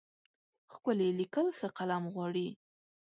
ښکلي لیکل ښه قلم غواړي.